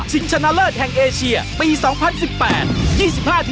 ชนะเลิศแห่งเอเชียปี๒๐๑๘